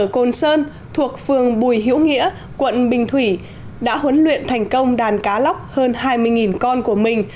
côn sơn thuộc phường bùi hữu nghĩa quận bình thủy đã huấn luyện thành công đàn cá lóc hơn hai mươi con của mình